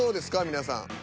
皆さん。